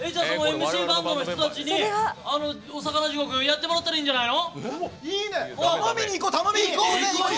ＭＣの人たちにあの「おさかな地獄」やってもらったらいいんじゃないの。